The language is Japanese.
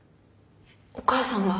お母さんが？